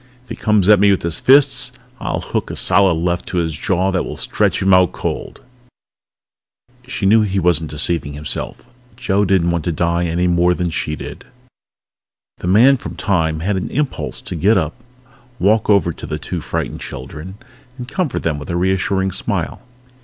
If he comes at me with his fists I'll hook a solid left to his jaw that will stretch him out cold!" She knew he wasn't deceiving himself. Joe didn't want to die any more than she did. The Man from Time had an impulse to get up, walk over to the two frightened children and comfort them with a reassuring smile.